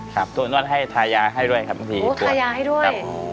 ครับนวดให้ทายาให้ด้วยครับทายาให้ด้วย